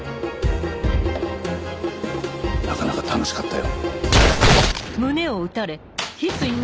なかなか楽しかったよ。